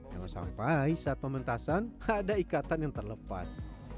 jangan sampai saat pementasan ada ikatan yang terlepas